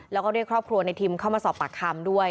แล้วก็เรียกครอบครัวในทิมเข้ามาสอบปากคำด้วย